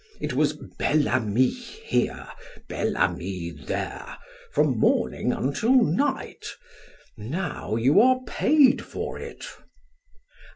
It was Bel Ami here, Bel Ami there, from morning until night. Now you are paid for it!"